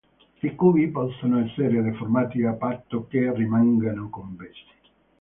I cubi possono essere deformati a patto che rimangano convessi.